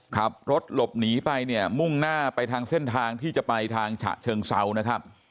ขับรถหลบหนีไปเนี่ยมุ่งหน้าไปทางเส้นทางที่จะไปทางฉะเชิงเซานะครับ